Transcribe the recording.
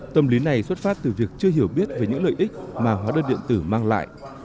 tâm lý này xuất phát từ việc chưa hiểu biết về những lợi ích mà hóa đơn điện tử mang lại